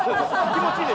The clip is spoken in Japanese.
気持ちいい！